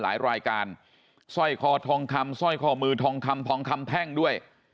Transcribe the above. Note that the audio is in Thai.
หลายรายการสร้อยคอทองคำสร้อยคอมือทองคำทองคำแท่งด้วย